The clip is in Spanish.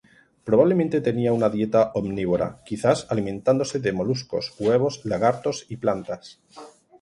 Probablemente tenía una dieta omnívora, quizás alimentándose de moluscos, huevos, lagartos y plantas.